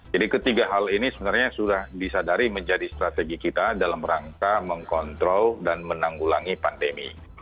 jadi ketiga hal ini sebenarnya sudah disadari menjadi strategi kita dalam rangka mengkontrol dan menanggulangi pandemi